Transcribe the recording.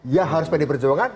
ya harus pdp perjuangan